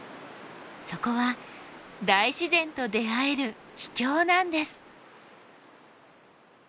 そこは大自然と出会える秘境なんです。